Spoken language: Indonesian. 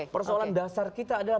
persoalan dasar kita adalah